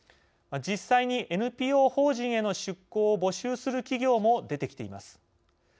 実際にＮＰＯ法人への出向を募集する企業も出てきています。